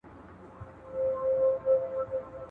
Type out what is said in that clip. خدای ورکړی وو کمال په تول تللی !.